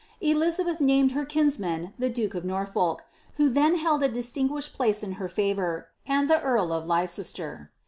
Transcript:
Elixabetti named her kinsman, the duke of Norfolk, who then held a distinguished place in her fcvour, and the earl of Leicester.'